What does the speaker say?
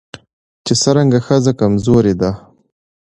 چې څرنګه ښځه کمزورې ده